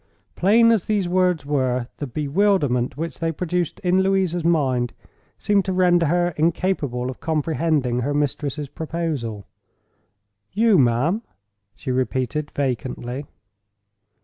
Plain as those words were, the bewilderment which they produced in Louisa's mind seemed to render her incapable of comprehending her mistress's proposal. "You, ma'am!" she repeated, vacantly.